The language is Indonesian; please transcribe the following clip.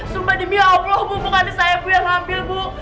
sumpah demi allah bu bukan adik saya bu yang ngambil bu